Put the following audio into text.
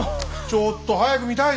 ちょっと早く見たい。